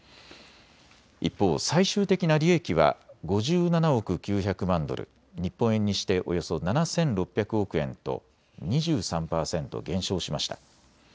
一方、最終的な利益は５７億９００万ドル、日本円にしておよそ７６００億円と２３％減少しました。